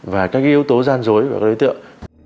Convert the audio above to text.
và các yếu tố gian dối của đối tượng